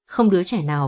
không đứa trẻ nào